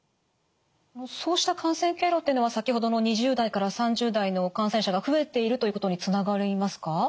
そうした感染経路っていうのは先ほどの２０代から３０代の感染者が増えているということにつながりますか？